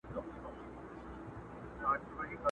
پېزوان به هم پر شونډو سپور وو اوس به وي او کنه٫